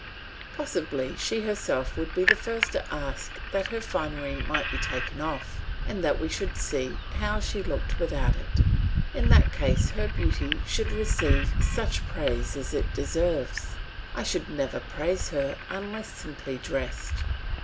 Possibly she herself would be the first to ask that her finery might be taken off and that we should see how she looked without it. In that case her beauty should receive such praise as it deserves. I should never praise her unless simply dressed.